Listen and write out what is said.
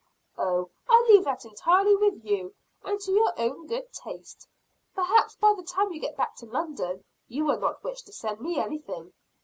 "Oh, I leave that entirely with you, and to your own good taste. Perhaps by the time you get back to London, you will not wish to send me anything."